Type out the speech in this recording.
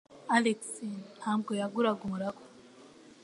Alex ntabwo yaguraga umuragwa.